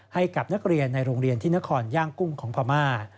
ให้กับนักเรียนในโรงเรียนที่นครย่างกุ้งของพม่า